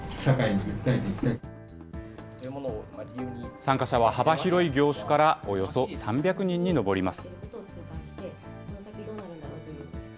参加者は幅広い業種からおよそ３００人に上ります。